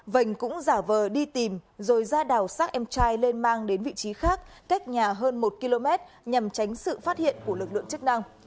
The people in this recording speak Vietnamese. vành cũng giả vờ đi tìm rồi ra đào xác em trai lên mang đến vị trí khác cách nhà hơn một km nhằm tránh sự phát hiện của lực lượng chức năng